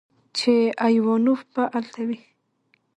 چې ايوانوف به الته وي.